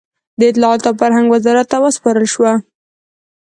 د اطلاعاتو او فرهنګ وزارت ته وسپارل شوه.